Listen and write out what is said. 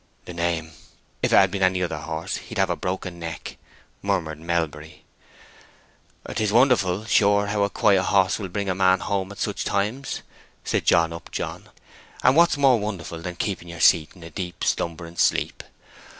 "The name! If it had been any other horse he'd have had a broken neck!" murmured Melbury. "'Tis wonderful, sure, how a quiet hoss will bring a man home at such times!" said John Upjohn. "And what's more wonderful than keeping your seat in a deep, slumbering sleep?